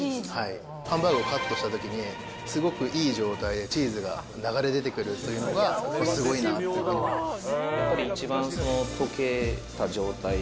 ハンバーグをカットした時にすごいいい状態でチーズが流れ出てくるというのがすごいなと思います。